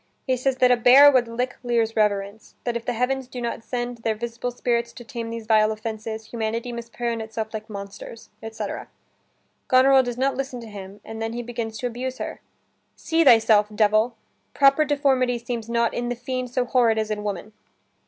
He says that a bear would lick Lear's reverence, that if the heavens do not send their visible spirits to tame these vile offenses, humanity must prey on itself like monsters, etc. Goneril does not listen to him, and then he begins to abuse her: "See thyself, devil! Proper deformity seems not in the fiend So horrid as in woman."